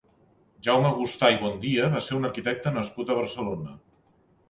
Jaume Gustà i Bondia va ser un arquitecte nascut a Barcelona.